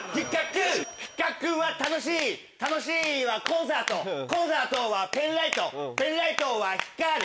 比較は楽しい楽しいはコンサートコンサートはペンライトペンライトは光る